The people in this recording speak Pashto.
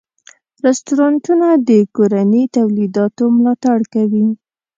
رستورانتونه د کورني تولیداتو ملاتړ کوي.